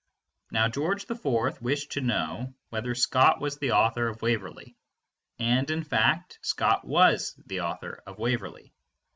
Now George IV wished to know whether Scott was the author of Waverley; and in fact Scott was the author of Waverley.